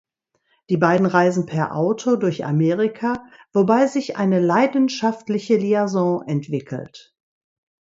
Die beiden reisen per Auto durch Amerika, wobei sich eine leidenschaftliche Liaison entwickelt.